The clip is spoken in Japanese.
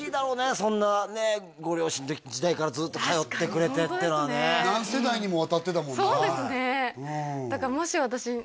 そんなねご両親の時代からずっと通ってくれてっていうのはね何世代にもわたってだもんね